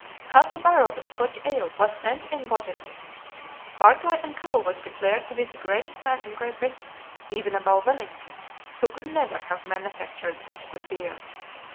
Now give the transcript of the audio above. Half a barrel of Scotch ale was sent in bodily. Barclay and Co. was declared to be the greatest man in Great Britain, even above Wellington, who could never have manufactured such good beer.